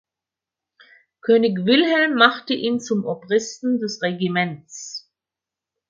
König Wilhelm machte ihn zum Obristen des Regiments.